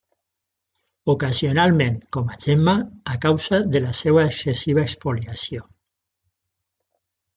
Ocasionalment, com a gemma, a causa de la seva excessiva exfoliació.